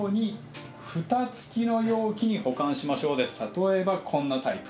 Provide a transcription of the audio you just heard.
例えばこんなタイプ。